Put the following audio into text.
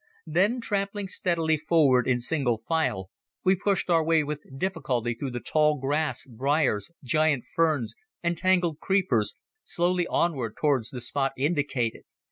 Then, tramping steadily forward in single file we pushed our way with difficulty through the tall grass, briars, giant ferns and tangled creepers, slowly onward towards the spot indicated.